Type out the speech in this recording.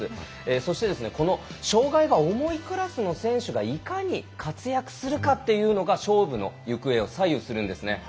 そして、この障がいが重いクラスの選手がいかに活躍するかというのが勝負の行方を左右するんですね。